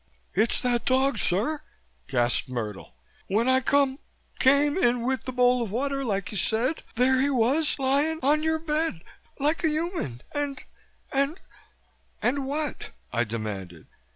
"It's that dog, sir," gasped Myrtle. "When I come came in with the bowl of water like you said, there he was lying on on your bed, like a Human, and and " "And what?" I demanded.